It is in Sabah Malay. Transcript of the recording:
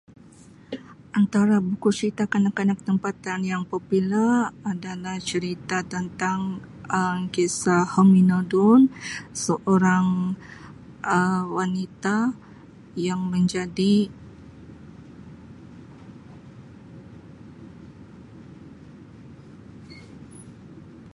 Antara buku cerita kanak-kanak tempatan yang popular adalah cerita tentang Um kisah hominodun seorang Um wanita yang menjadi.